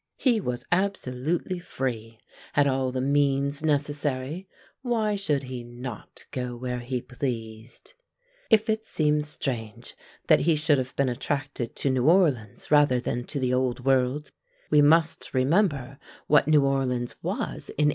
He was absolutely free, had all the means necessary why should he not go where he pleased? If it seems strange that he should have been attracted to New Orleans rather than to the Old World, we must remember what New Orleans was in 1820.